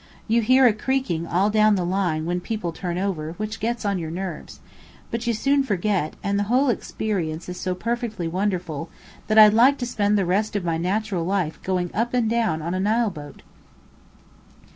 You hear a creaking all down the line when people turn over, which gets on your nerves: but you soon forget; and the whole experience is so perfectly wonderful that I'd like to spend the rest of my natural life going up and down on a Nile boat!"